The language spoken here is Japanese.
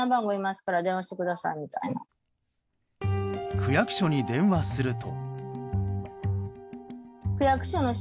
区役所に電話すると。